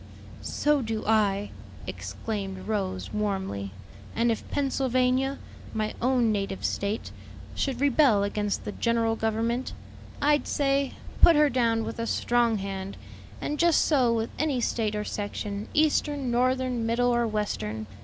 "So do I!" exclaimed Rose warmly; "and if Pennsylvania, my own native State, should rebel against the general government, I'd say, 'Put her down with a strong hand'; and just so with any State or section, Eastern, Northern, Middle or Western.